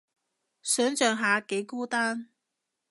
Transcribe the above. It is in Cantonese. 想像下幾孤單